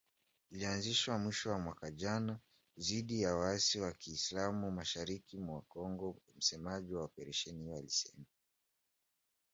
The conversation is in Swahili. Ilianzishwa mwishoni mwa mwaka jana dhidi ya waasi wa kiislam mashariki mwa Kongo msemaji wa operesheni hiyo alisema.